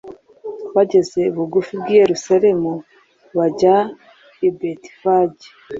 bageze bugufi bw i yerusalemu bajya i betifage